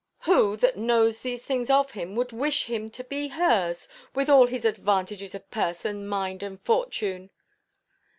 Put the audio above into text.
Who, that knows these things of him, would wish him to be hers, with all his advantages of person, mind, and fortune?"